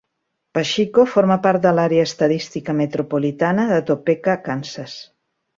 Paxico forma part de l'àrea estadística metropolitana de Topeka, Kansas.